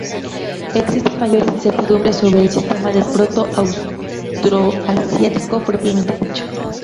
Existen mayores incertidumbres sobre el sistema del proto-austroasiático propiamente dicho.